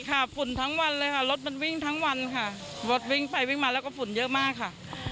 ฝุ่นทั้งวันเลยค่ะรถมันวิ่งทั้งวันค่ะรถวิ่งไปวิ่งมาแล้วก็ฝุ่นเยอะมากค่ะ